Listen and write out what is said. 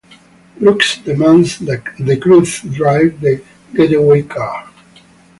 Brooks demands that DeCruz drive the getaway car.